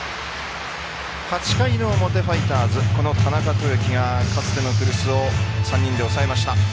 ８回の表ファイターズこの回田中豊樹がかつての古巣を３人で抑えました。